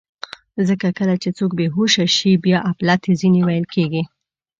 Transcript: ځکه کله چې څوک بېهوښه شي، بیا اپلتې ځینې ویل کېږي.